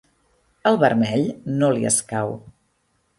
El vermell no li escau.